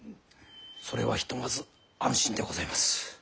それはひとまず安心でございます。